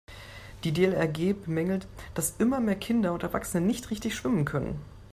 Die DLRG bemängelt, dass immer mehr Kinder und Erwachsene nicht richtig schwimmen können.